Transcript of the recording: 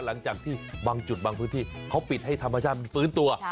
หลังจากที่บางจุดบางพื้นที่เขาปิดให้ธรรมชาติมันฟื้นตัว